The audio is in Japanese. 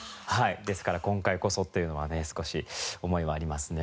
ですから今回こそというのはね少し思いはありますね。